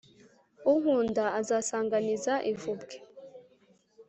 unkunda asanganiza ivubwe,